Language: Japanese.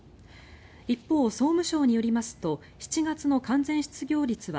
一方、総務省によりますと７月の完全失業率は